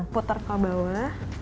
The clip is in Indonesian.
putar ke bawah